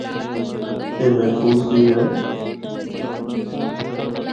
اے محفوظ بھی اے۔